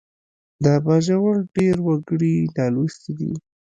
د باجوړ ډېر وګړي نالوستي دي